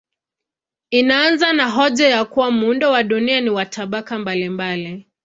Inaanza na hoja ya kuwa muundo wa dunia ni wa tabaka mbalimbali.